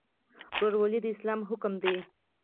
ورورولي د اسلام حکم دی